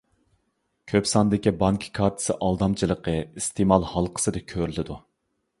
كۆپ ساندىكى بانكا كارتىسى ئالدامچىلىقى ئىستېمال ھالقىسىدا كۆرۈلىدۇ.